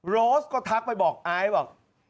โรสก็ทักไปบอกไอซ์บอก